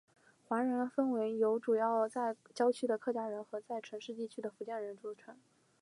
华人分为由主要在郊区的客家人和在城市地区的福建人组成。